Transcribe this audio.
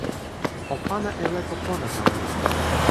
o pana e leko pona tawa mi.